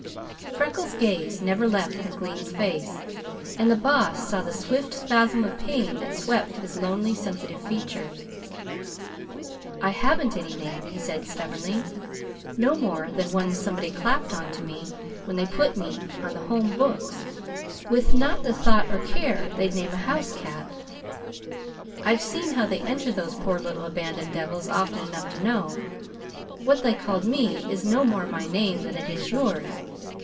Freckles' gaze never left McLean's face, and the Boss saw the swift spasm of pain that swept his lonely, sensitive features. "I haven't any name," he said stubbornly, "no more than one somebody clapped on to me when they put me on the Home books, with not the thought or care they'd name a house cat. I've seen how they enter those poor little abandoned devils often enough to know. What they called me is no more my name than it is yours.